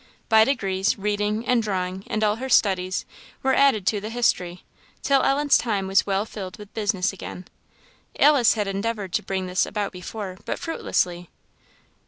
By degrees, reading, and drawing, and all her studies, were added to the history, till Ellen's time was well filled with business again. Alice had endeavoured to bring this about before, but fruitlessly.